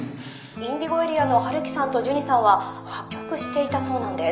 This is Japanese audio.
ＩｎｄｉｇｏＡＲＥＡの陽樹さんとジュニさんは破局していたそうなんです。